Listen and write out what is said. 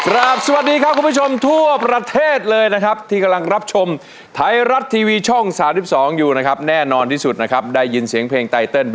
ร้องได้ให้ล้านนักสู้ชิงล้าน